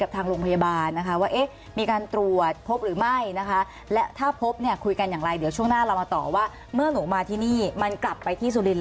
อันนี้อาจจะเป็นช่วงนี้